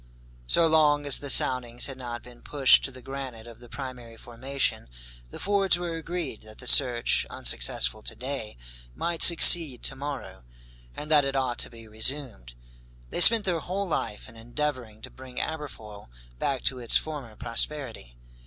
So long as the soundings had not been pushed to the granite of the primary formation, the Fords were agreed that the search, unsuccessful to day, might succeed to morrow, and that it ought to be resumed. They spent their whole life in endeavoring to bring Aberfoyle back to its former prosperity.